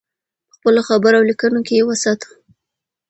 په خپلو خبرو او لیکنو کې یې وساتو.